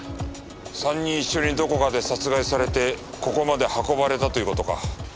３人一緒にどこかで殺害されてここまで運ばれたという事か。